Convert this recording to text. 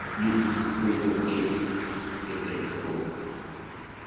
Youth's greatest gift is its hope."